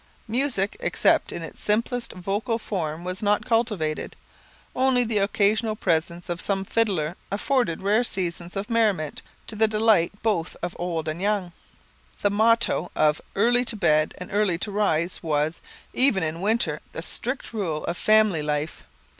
Music, except in its simplest vocal form, was not cultivated; only the occasional presence of some fiddler afforded rare seasons of merriment to the delight both of old and young. The motto of "Early to bed and early to rise" was, even in winter, the strict rule of family life.